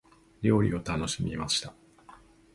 料理を楽しみました。